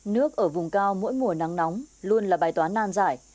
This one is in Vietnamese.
nước ở vùng cao mỗi mùa nắng nóng luôn là bài toán nan giải